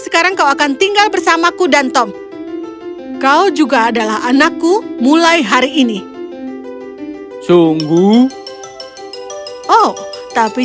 sekarang kau akan tinggal bersamaku dan tom kau juga adalah anakku mulai hari ini sungguh oh tapi